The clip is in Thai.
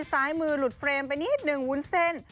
ซ้ายมือหลุดเฟรมไปนิดนึงวุ้นเส้น